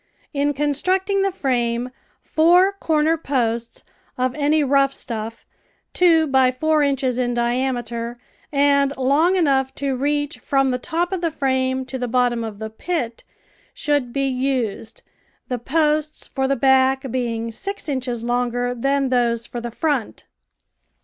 In constructing the frame, four corner posts, of any rough stuff, two by four inches in diameter and long enough to reach from the top of the frame to the bottom of the pit, should be used, the posts for the back being six inches longer than those for the front.